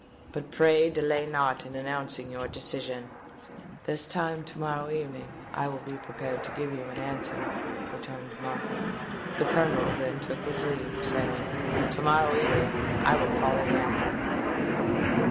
But pray delay not in announcing your decision." "This time to morrow evening I will be prepared to give you an answer," returned Markham. The Colonel then took his leave, saying, "To morrow evening I will call again."